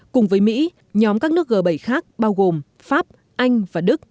cùng với mỹ nhóm các nước g bảy khác bao gồm pháp anh và đức